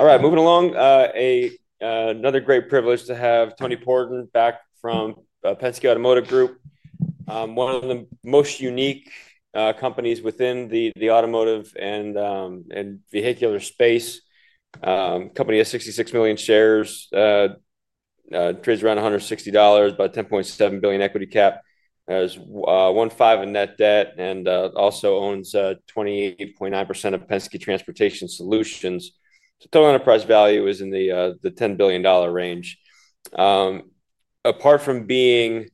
All right, moving along. Another great privilege to have Tony Pordon back from Penske Automotive Group. One of the most unique companies within the automotive and vehicular space. Company has 66 million shares. Trades around $160, about $10.7 billion equity cap. Has $1.5 billion in net debt and also owns 28.9% of Penske Transportation Solutions. Total enterprise value is in the $10 billion range. Apart from being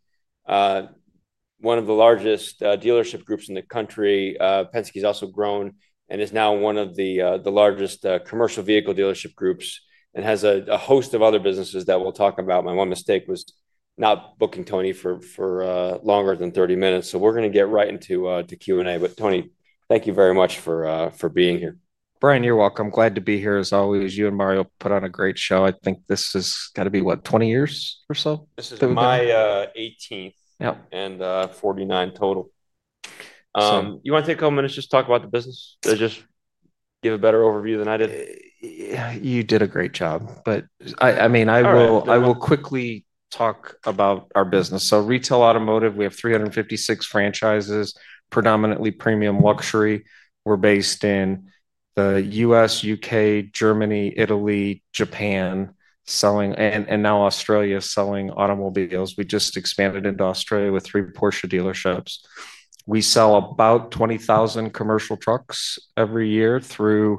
one of the largest dealership groups in the country, Penske has also grown and is now one of the largest commercial vehicle dealership groups and has a host of other businesses that we'll talk about. My one mistake was not booking Tony for longer than 30 minutes. We're going to get right into Q&A. Tony, thank you very much for being here. Brian, you're welcome. Glad to be here as always. You and Mario put on a great show. I think this has got to be, what, 20 years or so? This is my 18th. Yeah. 49 total. You want to take a couple of minutes just to talk about the business? Just give a better overview than I did? You did a great job. But I mean, I will quickly talk about our business. So retail automotive, we have 356 franchises, predominantly premium luxury. We're based in the U.S., U.K., Germany, Italy, Japan, and now Australia selling automobiles. We just expanded into Australia with three Porsche dealerships. We sell about 20,000 commercial trucks every year through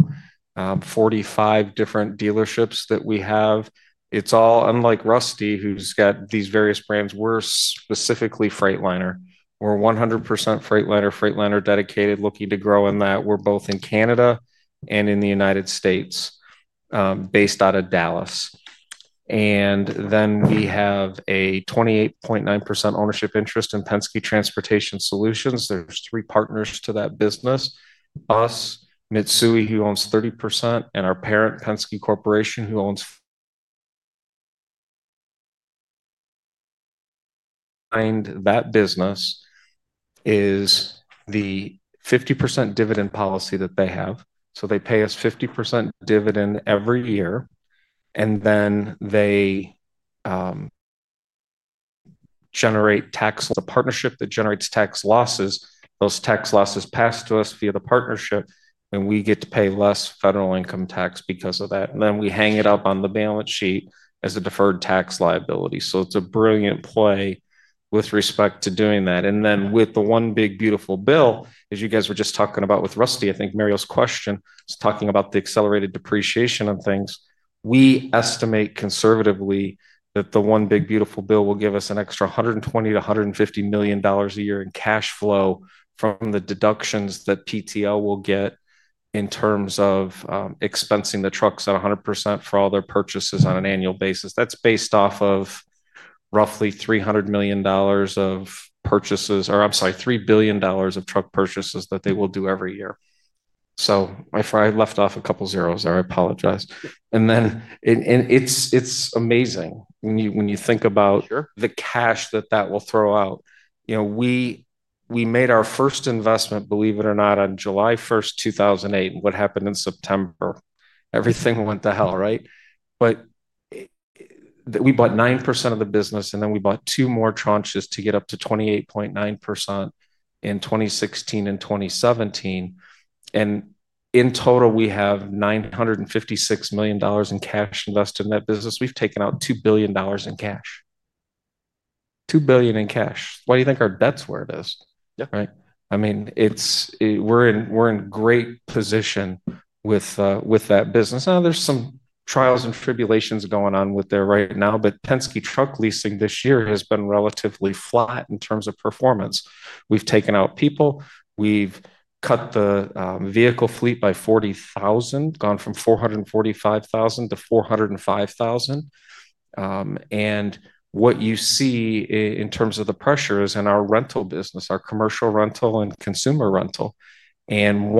45 different dealerships that we have. It's all, unlike Rusty, who's got these various brands, we're specifically Freightliner. We're 100% Freightliner, Freightliner dedicated, looking to grow in that. We're both in Canada and in the United States. Based out of Dallas. And then we have a 28.9% ownership interest in Penske Transportation Solutions. There's three partners to that business. Us, Mitsui, who owns 30%, and our parent, Penske Corporation, who owns that business is the 50% dividend policy that they have. So they pay us 50% dividend every year, and then they generate tax. A partnership that generates tax losses, those tax losses pass to us via the partnership, and we get to pay less federal income tax because of that. And then we hang it up on the balance sheet as a deferred tax liability. So it's a brilliant play with respect to doing that. And then with the one big beautiful bill, as you guys were just talking about with Rusty, I think Mario's question was talking about the accelerated depreciation of things. We estimate conservatively that the one big beautiful bill will give us an extra $120 million-$150 million a year in cash flow from the deductions that PTO will get in terms of expensing the trucks at 100% for all their purchases on an annual basis. That's based off of roughly $300 million of purchases or, I'm sorry, $3 billion of truck purchases that they will do every year. So I left off a couple of zeros there. I apologize. And then it's amazing when you think about the cash that that will throw out. We made our first investment, believe it or not, on July 1st, 2008. What happened in September? Everything went to hell, right? But we bought 9% of the business, and then we bought two more tranches to get up to 28.9% in 2016 and 2017. And in total, we have $956 million in cash invested in that business. We've taken out $2 billion in cash. $2 billion in cash. Why do you think our debt's where it is? Right? I mean. We're in great position with that business. Now, there's some trials and tribulations going on with there right now, but Penske Truck Leasing this year has been relatively flat in terms of performance. We've taken out people. We've cut the vehicle fleet by 40,000, gone from 445,000 to 405,000. And what you see in terms of the pressure is in our rental business, our commercial rental and consumer rental. And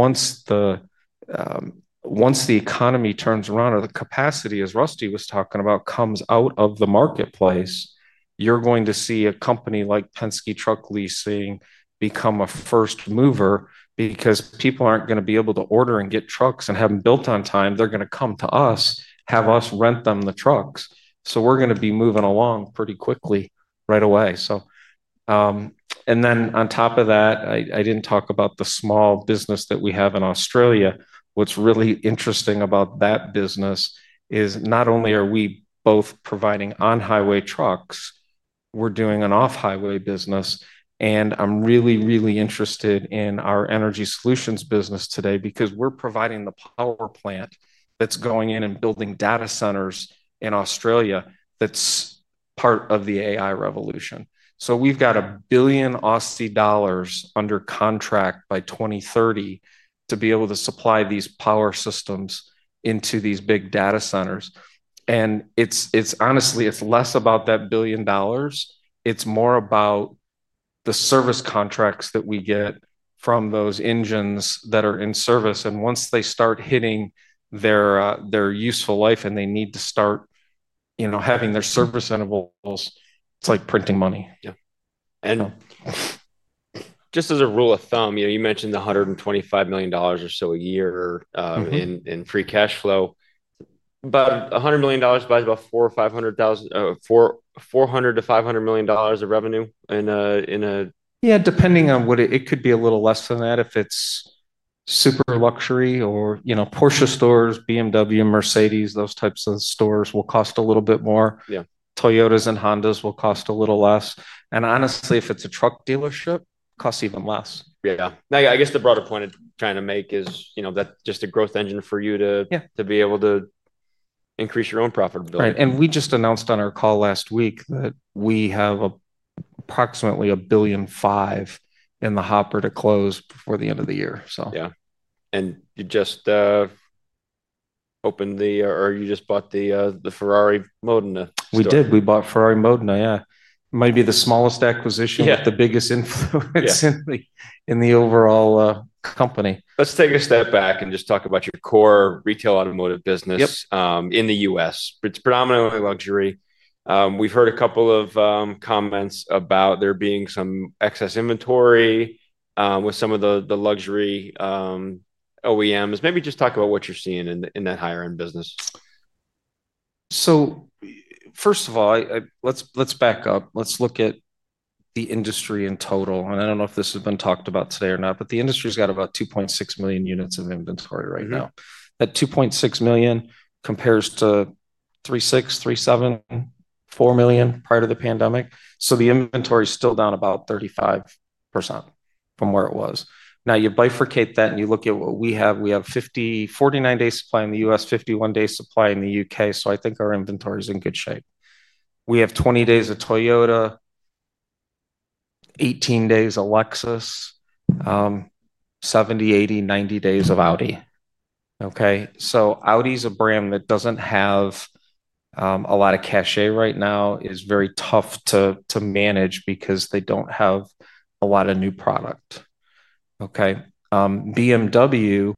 once the economy turns around or the capacity, as Rusty was talking about, comes out of the marketplace, you're going to see a company like Penske Truck Leasing become a first mover because people aren't going to be able to order and get trucks and have them built on time. They're going to come to us, have us rent them the trucks. We're going to be moving along pretty quickly right away. On top of that, I didn't talk about the small business that we have in Australia. What's really interesting about that business is not only are we both providing on-highway trucks, we're doing an off-highway business. I'm really, really interested in our energy solutions business today because we're providing the power plant that's going in and building data centers in Australia that's part of the AI revolution. We've got 1 billion Aussie dollars under contract by 2030 to be able to supply these power systems into these big data centers. Honestly, it's less about that 1 billion dollars. It's more about the service contracts that we get from those engines that are in service. Once they start hitting their useful life and they need to start having their service intervals, it's like printing money. Yeah. And just as a rule of thumb, you mentioned the $125 million or so a year in free cash flow. About $100 million buys about $400 million-$500 million of revenue in a. Yeah, depending on what it could be a little less than that. If it's super luxury or Porsche stores, BMW, Mercedes, those types of stores will cost a little bit more. Toyotas and Hondas will cost a little less. Honestly, if it's a truck dealership, it costs even less. Yeah. I guess the broader point I'm trying to make is that's just a growth engine for you to be able to increase your own profitability. Right. We just announced on our call last week that we have approximately $1.5 billion in the hopper to close before the end of the year. Yeah. You just opened the or you just bought the Ferrari Modena, so. We did. We bought Ferrari Modena, yeah. It might be the smallest acquisition with the biggest influence in the overall company. Let's take a step back and just talk about your core retail automotive business. In the U.S., it's predominantly luxury. We've heard a couple of comments about there being some excess inventory. With some of the luxury OEMs. Maybe just talk about what you're seeing in that higher-end business. First of all, let's back up. Let's look at the industry in total. I don't know if this has been talked about today or not, but the industry's got about 2.6 million units of inventory right now. That 2.6 million compares to 3.6 million, 3.7 million, 4 million prior to the pandemic. The inventory is still down about 35% from where it was. Now, you bifurcate that and you look at what we have. We have 49-day supply in the U.S., 51-day supply in the U.K. I think our inventory is in good shape. We have 20 days of Toyota, 18 days of Lexus, 70, 80, 90 days of Audi. Audi is a brand that doesn't have a lot of cachet right now. It's very tough to manage because they don't have a lot of new product. BMW,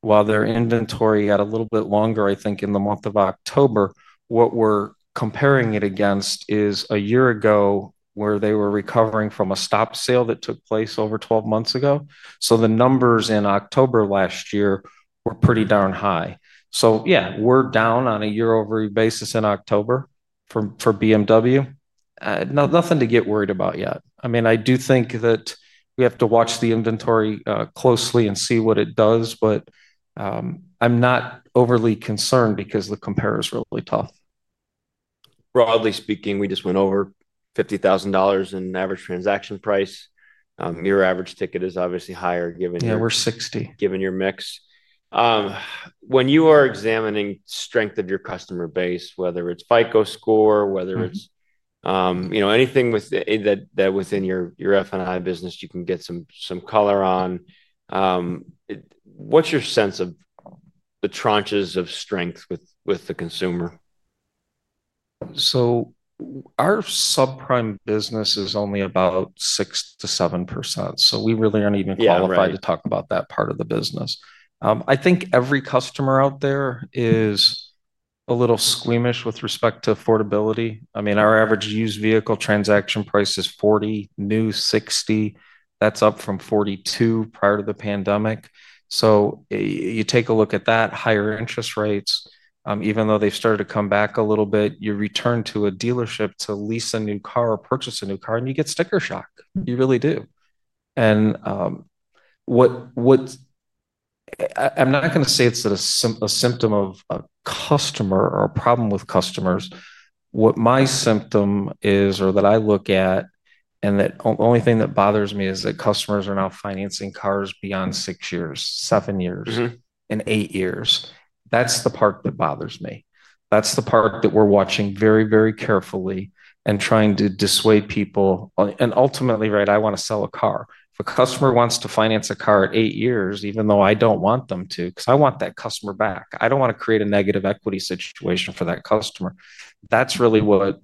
while their inventory got a little bit longer, I think, in the month of October, what we're comparing it against is a year ago where they were recovering from a stop sale that took place over 12 months ago. The numbers in October last year were pretty darn high. We're down on a year-over-year basis in October for BMW. Nothing to get worried about yet. I do think that we have to watch the inventory closely and see what it does, but I'm not overly concerned because the compare is really tough. Broadly speaking, we just went over $50,000 in average transaction price. Your average ticket is obviously higher given. Yeah, we're 60. Given your mix. When you are examining strength of your customer base, whether it's FICO score, whether it's anything that within your F&I business you can get some color on. What's your sense of the tranches of strength with the consumer? Our subprime business is only about 6%-7%. We really aren't even qualified to talk about that part of the business. I think every customer out there is a little squeamish with respect to affordability. I mean, our average used vehicle transaction price is $40,000, new $60,000. That's up from $42,000 prior to the pandemic. You take a look at that, higher interest rates, even though they've started to come back a little bit, you return to a dealership to lease a new car or purchase a new car, and you get sticker shock. You really do. I'm not going to say it's a symptom of a customer or a problem with customers. What my symptom is, or that I look at, and the only thing that bothers me is that customers are now financing cars beyond six years, seven years, and eight years. That's the part that bothers me. That's the part that we're watching very, very carefully and trying to dissuade people. Ultimately, right, I want to sell a car. If a customer wants to finance a car at eight years, even though I don't want them to, because I want that customer back, I don't want to create a negative equity situation for that customer. That's really what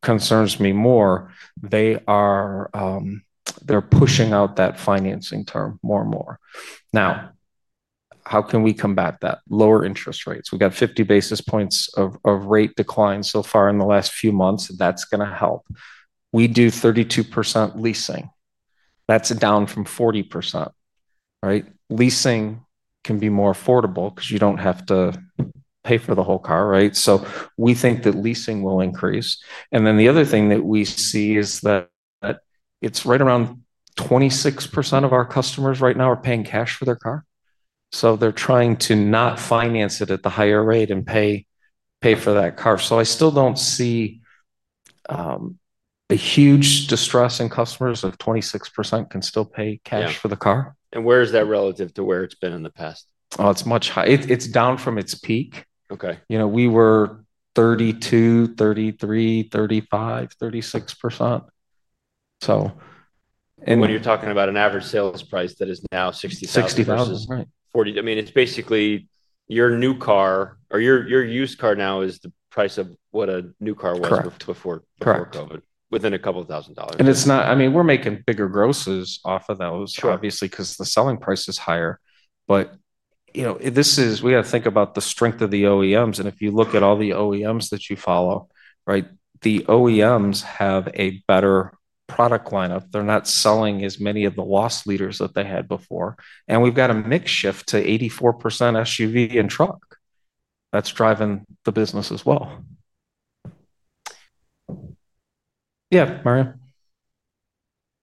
concerns me more. They're pushing out that financing term more and more. Now, how can we combat that? Lower interest rates. We've got 50 basis points of rate decline so far in the last few months, and that's going to help. We do 32% leasing. That's down from 40%. Leasing can be more affordable because you don't have to pay for the whole car, right? We think that leasing will increase. The other thing that we see is that it's right around 26% of our customers right now are paying cash for their car. They're trying to not finance it at the higher rate and pay for that car. I still don't see a huge distress in customers if 26% can still pay cash for the car. Where is that relative to where it's been in the past? Oh, it's much higher. It's down from its peak. We were 32%, 33%, 35%, 36%. When you're talking about an average sales price that is now $60,000. 60,000, right. versus $40,000. I mean, it's basically your new car or your used car now is the price of what a new car was before COVID, within a couple of thousand dollars. It's not, I mean, we're making bigger grosses off of those, obviously, because the selling price is higher. We got to think about the strength of the OEMs. If you look at all the OEMs that you follow, right, the OEMs have a better product lineup. They're not selling as many of the loss leaders that they had before. We've got a mix shift to 84% SUV and truck. That's driving the business as well. Yeah, Mario?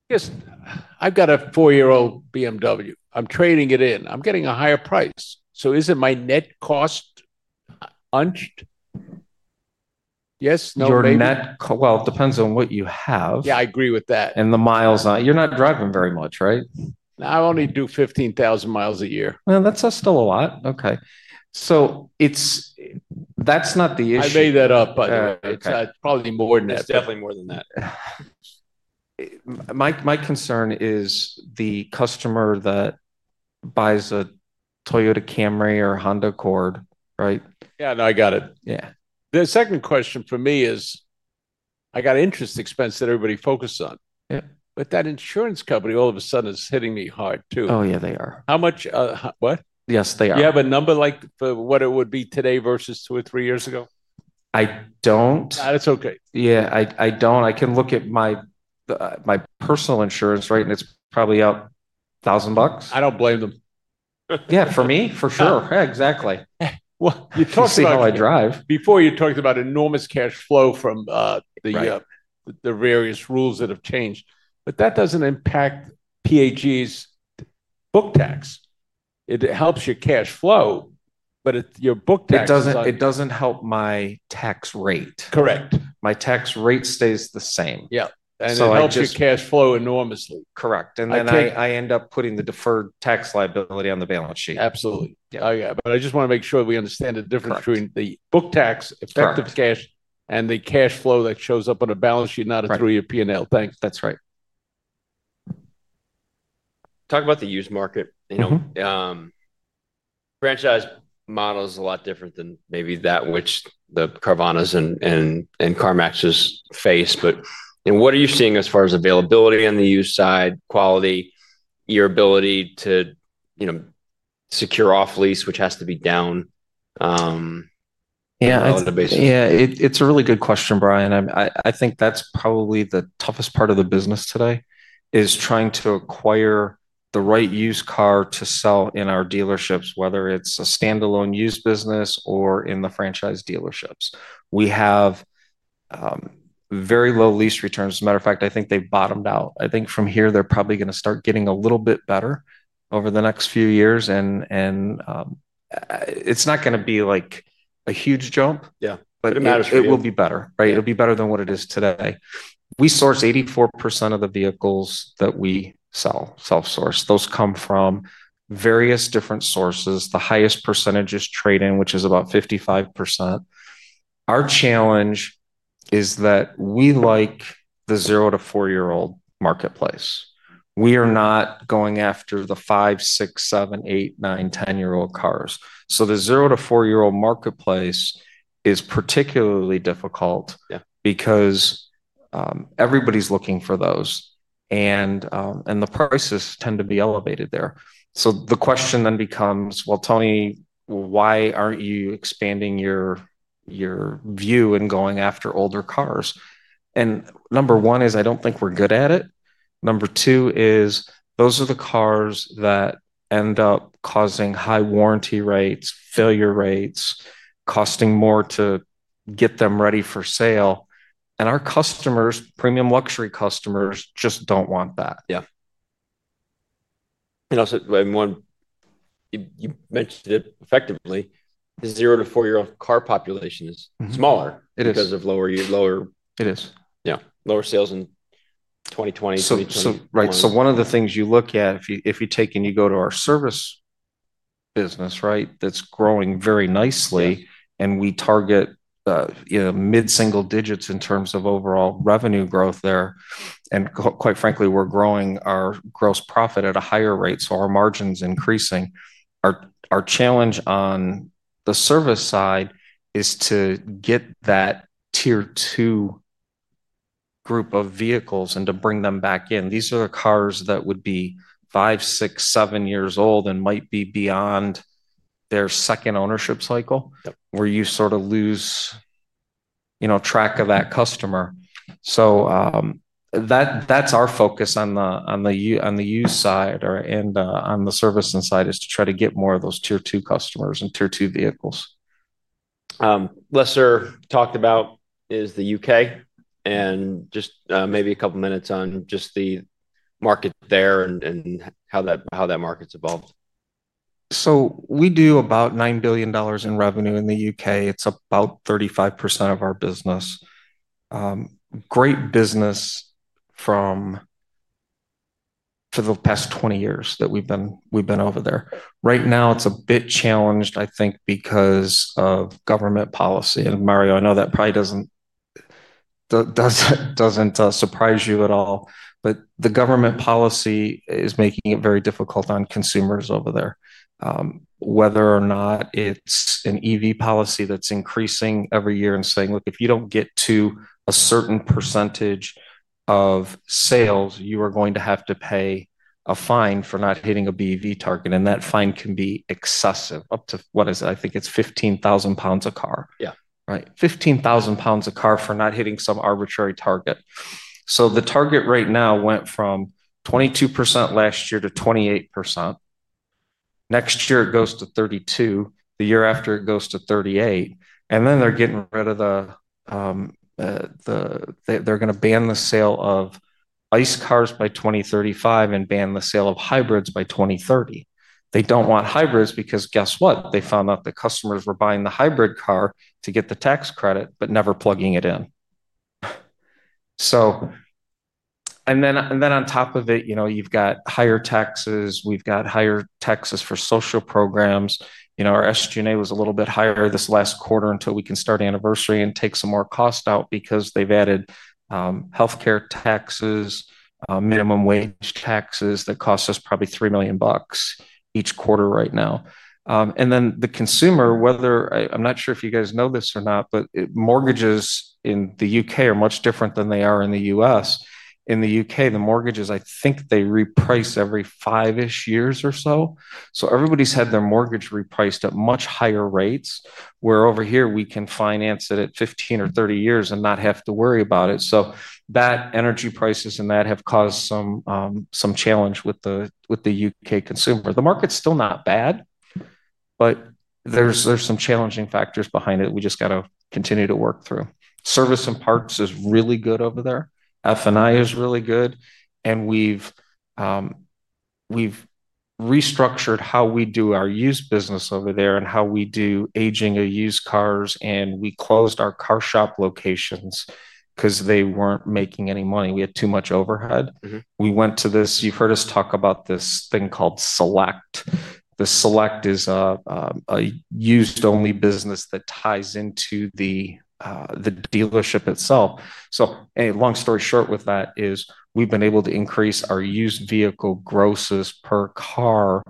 Yes. I've got a four-year-old BMW. I'm trading it in. I'm getting a higher price. So is it my net cost? Hunched? Yes, no, maybe? Your net? It depends on what you have. Yeah, I agree with that. The miles on it. You're not driving very much, right? I only do 15,000 mi a year. That's still a lot. Okay. So that's not the issue. I made that up, but it's probably more than that. It's definitely more than that. My concern is the customer that buys a Toyota Camry or Honda Accord, right? Yeah, no, I got it. Yeah. The second question for me is, I got interest expense that everybody focused on. That insurance company all of a sudden is hitting me hard too. Oh, yeah, they are. How much? What? Yes, they are. Do you have a number like for what it would be today versus two or three years ago? I don't. That's okay. Yeah, I don't. I can look at my personal insurance, right, and it's probably up $1,000. I don't blame them. Yeah, for me, for sure. Yeah, exactly. You talked about how I drive. Before, you talked about enormous cash flow from the various rules that have changed. That doesn't impact PAG's book tax. It helps your cash flow, but your book tax. It doesn't help my tax rate. Correct. My tax rate stays the same. Yeah. It helps your cash flow enormously. Correct. I end up putting the deferred tax liability on the balance sheet. Absolutely. Yeah. Oh, yeah. I just want to make sure we understand the difference between the book tax, effective cash, and the cash flow that shows up on a balance sheet, not a three-year P&L. Thanks. That's right. Talk about the used market. Franchise model is a lot different than maybe that which the Carvanas and CarMaxes face. What are you seeing as far as availability on the used side, quality, your ability to secure off-lease, which has to be down. Yeah. It's a really good question, Brian. I think that's probably the toughest part of the business today, is trying to acquire the right used car to sell in our dealerships, whether it's a standalone used business or in the franchise dealerships. We have very low lease returns. As a matter of fact, I think they've bottomed out. I think from here, they're probably going to start getting a little bit better over the next few years. It's not going to be like a huge jump, but it will be better, right? It'll be better than what it is today. We source 84% of the vehicles that we sell, self-sourced. Those come from various different sources. The highest percentage is trade-in, which is about 55%. Our challenge is that we like the zero-to-four-year-old marketplace. We are not going after the five, six, seven, eight, nine, 10-year-old cars. The zero-to-four-year-old marketplace is particularly difficult because everybody's looking for those, and the prices tend to be elevated there. The question then becomes, "Well, Tony, why aren't you expanding your view and going after older cars?" Number one is I don't think we're good at it. Number two is those are the cars that end up causing high warranty rates, failure rates, costing more to get them ready for sale. Our customers, premium luxury customers, just don't want that. Yeah. You mentioned it effectively, the zero-to-four-year-old car population is smaller because of lower. It is. Yeah. Lower sales in 2020. Right. One of the things you look at, if you take and you go to our service business, right, that's growing very nicely, and we target mid-single digits in terms of overall revenue growth there. Quite frankly, we're growing our gross profit at a higher rate, so our margin's increasing. Our challenge on the service side is to get that tier two group of vehicles and to bring them back in. These are the cars that would be five, six, seven years old and might be beyond their second ownership cycle, where you sort of lose track of that customer. That's our focus on the used side and on the servicing side, to try to get more of those Tier 2 customers and Tier 2 vehicles. Lesser talked about is the U.K. and just maybe a couple of minutes on just the market there and how that market's evolved. We do about $9 billion in revenue in the U.K. It is about 35% of our business. Great business. For the past 20 years that we have been over there. Right now, it is a bit challenged, I think, because of government policy. Mario, I know that probably does not surprise you at all. The government policy is making it very difficult on consumers over there. Whether or not it is an EV policy that is increasing every year and saying, "Look, if you do not get to a certain percentage of sales, you are going to have to pay a fine for not hitting a BEV target." That fine can be excessive, up to, what is it? I think it is 15,000 pounds a car. Yeah, right? 15,000 pounds a car for not hitting some arbitrary target. The target rate now went from 22% last year to 28%. Next year it goes to 32%. The year after it goes to 38%. They are going to ban the sale of ICE cars by 2035 and ban the sale of hybrids by 2030. They do not want hybrids because, guess what, they found out the customers were buying the hybrid car to get the tax credit but never plugging it in. On top of it, you have got higher taxes. We have got higher taxes for social programs. Our SG&A was a little bit higher this last quarter until we can start anniversary and take some more cost out because they have added healthcare taxes, minimum wage taxes that cost us probably $3 million each quarter right now. The consumer, I am not sure if you guys know this or not, but mortgages in the U.K. are much different than they are in the U.S. In the U.K., the mortgages, I think they reprice every five-ish years or so. Everybody has had their mortgage repriced at much higher rates, where over here we can finance it at 15 or 30 years and not have to worry about it. That, energy prices, and that have caused some challenge with the U.K. consumer. The market is still not bad, but there are some challenging factors behind it that we just have to continue to work through. Service and parts is really good over there. F&I is really good. We have restructured how we do our used business over there and how we do aging of used cars. We closed our CarShop locations because they were not making any money. We had too much overhead. We went to this—you have heard us talk about this thing called Select. The Select is a used-only business that ties into the dealership itself. Long story short with that is we have been able to increase our used vehicle grosses per car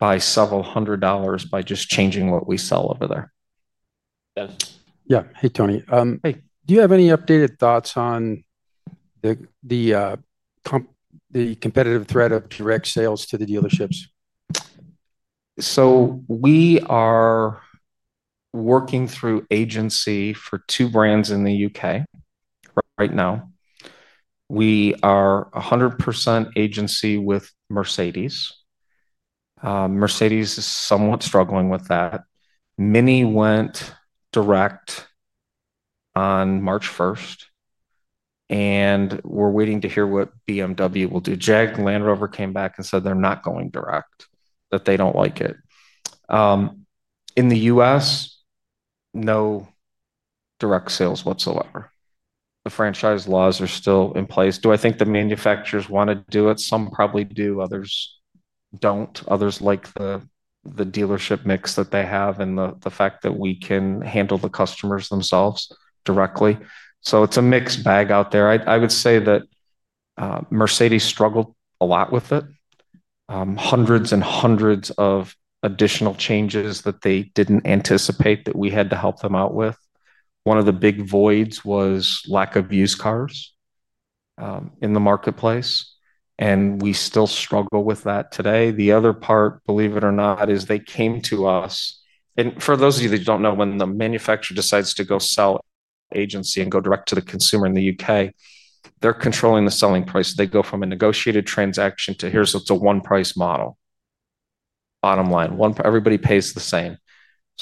by several hundred dollars by just changing what we sell over there. Yes. Yeah. Hey, Tony. Hey. Do you have any updated thoughts on the competitive threat of direct sales to the dealerships? We are working through agency for two brands in the U.K. right now. We are 100% agency with Mercedes. Mercedes is somewhat struggling with that. MINI went direct on March 1st. We are waiting to hear what BMW will do. Jag, Land Rover came back and said they are not going direct, that they do not like it. In the U.S., no direct sales whatsoever. The franchise laws are still in place. Do I think the manufacturers want to do it? Some probably do. Others do not. Others like the dealership mix that they have and the fact that we can handle the customers themselves directly. It is a mixed bag out there. I would say that Mercedes struggled a lot with it. Hundreds and hundreds of additional changes that they did not anticipate that we had to help them out with. One of the big voids was lack of used cars in the marketplace. We still struggle with that today. The other part, believe it or not, is they came to us. For those of you that do not know, when the manufacturer decides to go sell agency and go direct to the consumer in the U.K., they are controlling the selling price. They go from a negotiated transaction to, "Here is a one-price model." Bottom line. Everybody pays the same.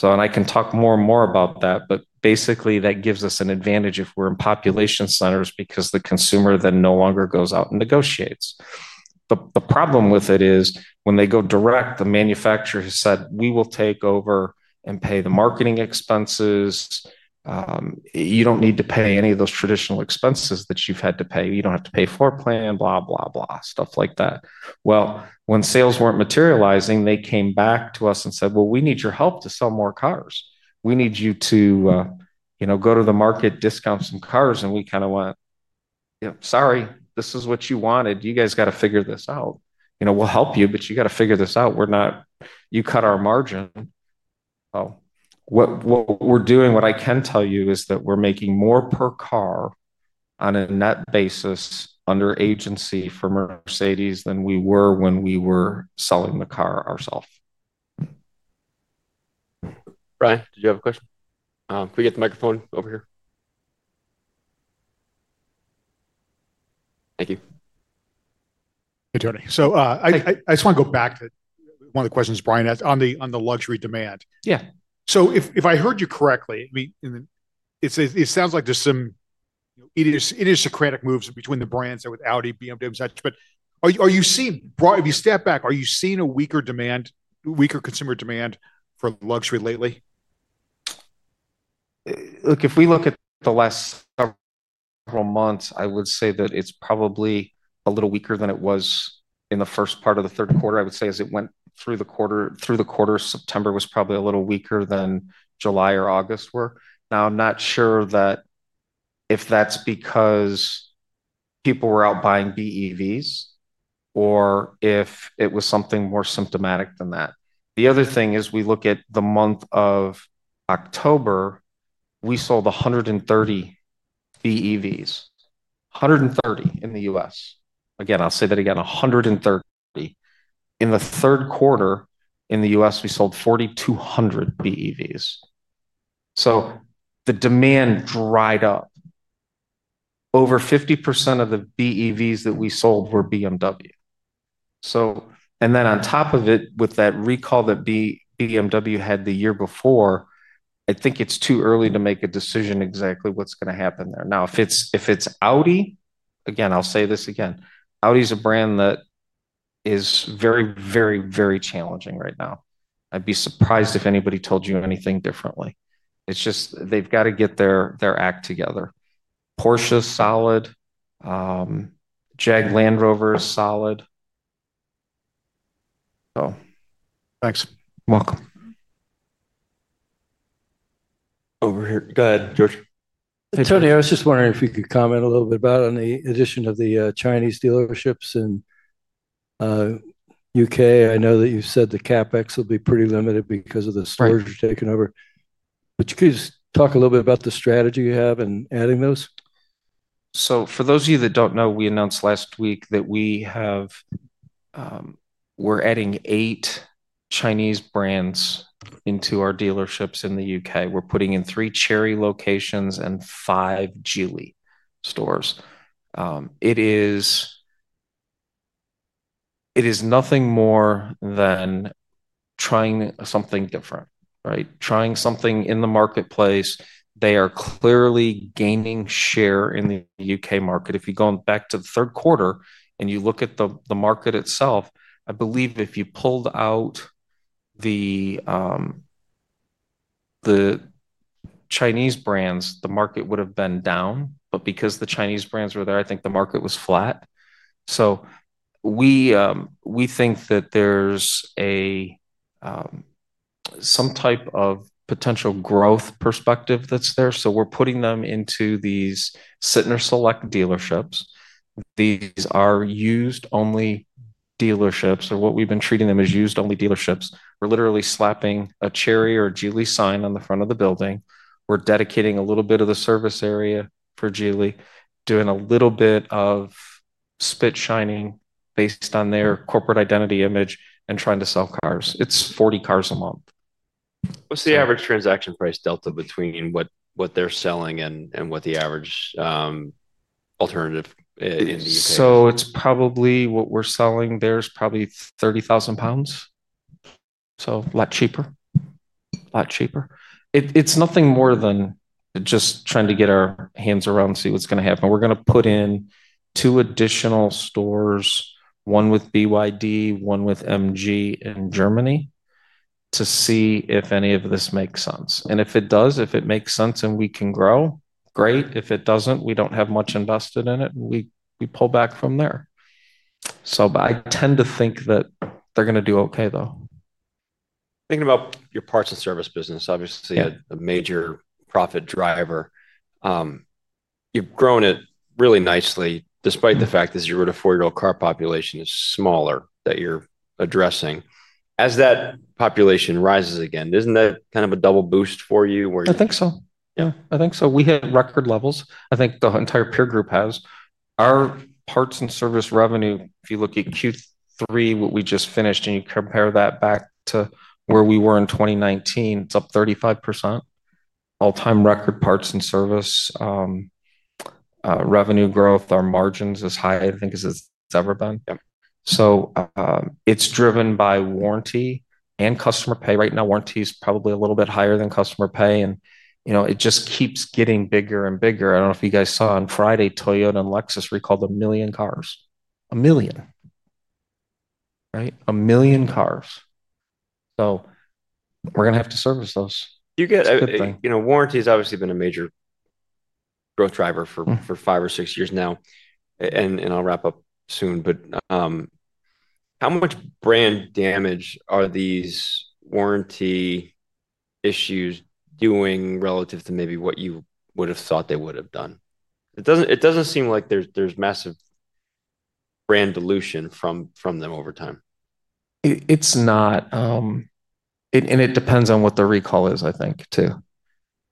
I can talk more and more about that, but basically, that gives us an advantage if we are in population centers because the consumer then no longer goes out and negotiates. The problem with it is when they go direct, the manufacturer has said, "We will take over and pay the marketing expenses. You do not need to pay any of those traditional expenses that you have had to pay. You do not have to pay floor plan, blah, blah, blah," stuff like that. When sales were not materializing, they came back to us and said, "We need your help to sell more cars. We need you to go to the market, discount some cars." We kind of went, "Yeah, sorry. This is what you wanted. You guys have to figure this out. We will help you, but you have to figure this out. We are not—you cut our margin." What we are doing, what I can tell you, is that we are making more per car on a net basis under agency for Mercedes than we were when we were selling the car ourselves. Brian, did you have a question? Can we get the microphone over here? Thank you. Hey, Tony. I just want to go back to one of the questions Brian asked on the luxury demand. If I heard you correctly, I mean, it sounds like there's some idiosyncratic moves between the brands with Audi, BMW, etc. Are you seeing—if you step back—are you seeing a weaker consumer demand for luxury lately? Look, if we look at the last several months, I would say that it's probably a little weaker than it was in the first part of the third quarter. I would say, as it went through the quarter, September was probably a little weaker than July or August were. Now, I'm not sure that if that's because people were out buying BEVs or if it was something more symptomatic than that. The other thing is we look at the month of October, we sold 130 BEVs. 130 in the U.S. Again, I'll say that again, 130. In the third quarter in the U.S., we sold 4,200 BEVs. So the demand dried up. Over 50% of the BEVs that we sold were BMW. And then on top of it, with that recall that BMW had the year before, I think it's too early to make a decision exactly what's going to happen there. Now, if it's Audi, again, I'll say this again, Audi is a brand that is very, very, very challenging right now. I'd be surprised if anybody told you anything differently. It's just they've got to get their act together. Porsche is solid. Jag, Land Rover is solid. Thanks. You're welcome. Over here. Go ahead, George. Hey, Tony. I was just wondering if you could comment a little bit about the addition of the Chinese dealerships in the U.K. I know that you said the CapEx will be pretty limited because of the splurging taken over. Could you just talk a little bit about the strategy you have in adding those? For those of you that do not know, we announced last week that we are adding eight Chinese brands into our dealerships in the U.K. We are putting in three Chery locations and five Geely stores. It is nothing more than trying something different, right? Trying something in the marketplace. They are clearly gaining share in the U.K. market. If you go back to the third quarter and you look at the market itself, I believe if you pulled out the Chinese brands, the market would have been down. Because the Chinese brands were there, I think the market was flat. We think that there is some type of potential growth perspective that is there. We are putting them into these Sytner Select dealerships. These are used-only dealerships, or what we have been treating them as used-only dealerships. We are literally slapping a Chery or a Geely sign on the front of the building. We are dedicating a little bit of the service area for Geely, doing a little bit of spit shining based on their corporate identity image and trying to sell cars. It is 40 cars a month. What's the average transaction price delta between what they're selling and what the average alternative in the U.K.? It's probably what we're selling there is probably 30,000 pounds. A lot cheaper. A lot cheaper. It's nothing more than just trying to get our hands around to see what's going to happen. We're going to put in two additional stores, one with BYD, one with MG in Germany, to see if any of this makes sense. If it does, if it makes sense and we can grow, great. If it doesn't, we don't have much invested in it, and we pull back from there. I tend to think that they're going to do okay, though. Thinking about your parts and service business, obviously a major profit driver. You've grown it really nicely despite the fact that your four-year-old car population is smaller that you're addressing. As that population rises again, isn't that kind of a double boost for you? I think so. Yeah, I think so. We hit record levels. I think the entire peer group has. Our parts and service revenue, if you look at Q3, what we just finished, and you compare that back to where we were in 2019, it's up 35%. All-time record parts and service. Revenue growth. Our margins as high, I think, as it's ever been. It is driven by warranty and customer pay. Right now, warranty is probably a little bit higher than customer pay. It just keeps getting bigger and bigger. I do not know if you guys saw on Friday, Toyota and Lexus recalled a million cars. A million. Right? A million cars. We are going to have to service those. You get it. Warranty has obviously been a major growth driver for five or six years now. I'll wrap up soon. How much brand damage are these warranty issues doing relative to maybe what you would have thought they would have done? It doesn't seem like there's massive brand dilution from them over time. It's not. It depends on what the recall is, I think, too.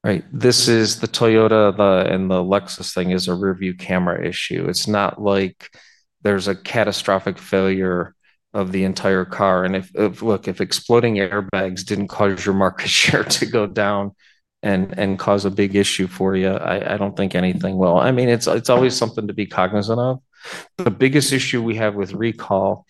Right? This Toyota and Lexus thing is a rearview camera issue. It's not like there's a catastrophic failure of the entire car. Look, if exploding airbags didn't cause your market share to go down and cause a big issue for you, I don't think anything will. I mean, it's always something to be cognizant of. The biggest issue we have with recall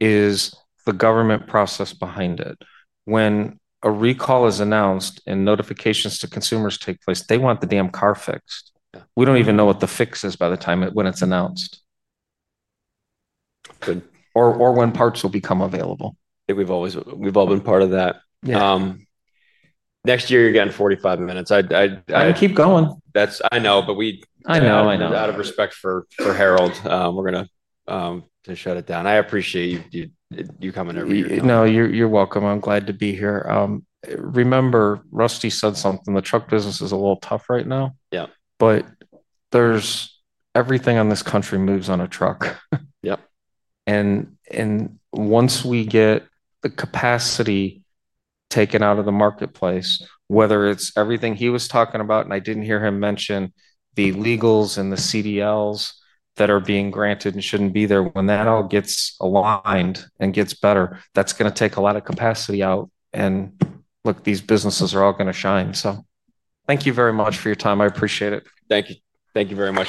is the government process behind it. When a recall is announced and notifications to consumers take place, they want the damn car fixed. We don't even know what the fix is by the time it's announced or when parts will become available. We've all been part of that. Next year, you're getting 45 minutes. I'm going to keep going. I know, but we. I know. I know. Out of respect for Harold, we're going to shut it down. I appreciate you coming to. No, you're welcome. I'm glad to be here. Remember, Rusty said something. The truck business is a little tough right now. Everything in this country moves on a truck. Once we get the capacity taken out of the marketplace, whether it's everything he was talking about, and I didn't hear him mention the legals and the CDLs that are being granted and shouldn't be there, when that all gets aligned and gets better, that's going to take a lot of capacity out. Look, these businesses are all going to shine. Thank you very much for your time. I appreciate it. Thank you. Thank you very much.